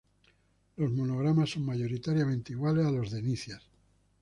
Los monogramas son mayoritariamente iguales a los de Nicias.